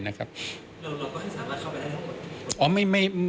ก็สามารถเข้าไปในห้องหมด